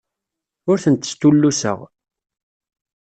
Ur tent-stulluseɣ.